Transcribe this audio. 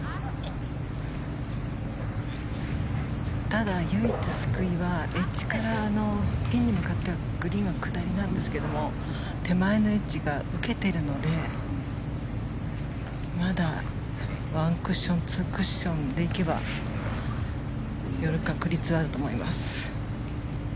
ただ、唯一救いはエッジからピンに向かってはグリーンは下りなんですが手前のエッジが受けているのでまだ１クッション２クッションで行けば寄る確率はあると思います。